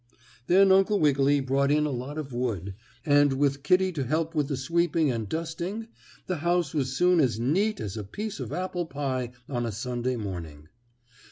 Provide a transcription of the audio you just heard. Then Uncle Wiggily brought in a lot of wood, and with Kittie to help with the sweeping and dusting, the house was soon as neat as a piece of apple pie on a Sunday morning.